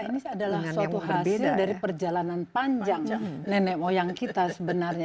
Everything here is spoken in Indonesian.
ini adalah suatu hasil dari perjalanan panjang nenek moyang kita sebenarnya